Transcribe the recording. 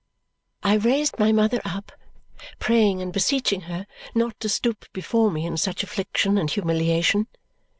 I raised my mother up, praying and beseeching her not to stoop before me in such affliction and humiliation.